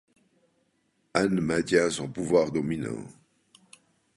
Anne maintient son pouvoir dominant.